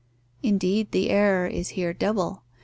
Indeed, the error is here double.